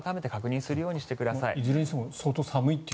いずれにしても相当寒いという。